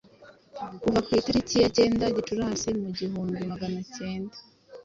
kuva ku itariki ya cyenda Gicurasi mugihumbi maganacyenda